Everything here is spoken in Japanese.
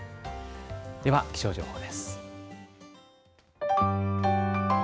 では気象情報です。